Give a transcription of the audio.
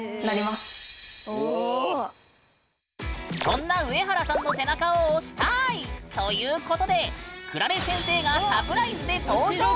そんなウエハラさんの背中を押したい！ということでくられ先生がサプライズで登場！